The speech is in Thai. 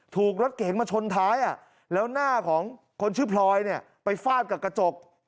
ถูกรถเก๋งมาชนท้ายแล้วหน้าของคนชื่อพลอยเนี่ยไปฟาดกับกระจก